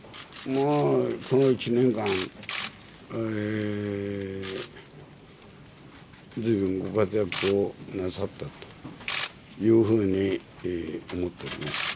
この１年間、ずいぶんご活躍をなさったというふうに思っております。